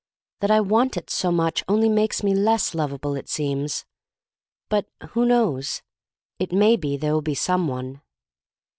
That I want it so much only makes me less lovable, it seems. But — who knows? — it may be there will be some one.